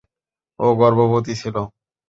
ও গর্ভবতী ছিল!